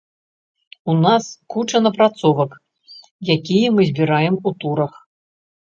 У нас куча напрацовак, якія мы збіраем у турах.